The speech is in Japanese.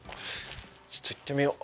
ちょっと行ってみよう。